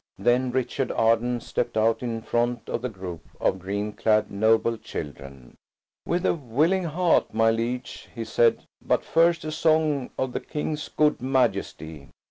Then Richard Arden stepped out in front of the group of green clad noble children. "With a willing heart, my liege," he said, "but first a song of the King's good Majesty."